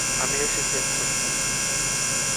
আমি আসছি এক্ষুণি।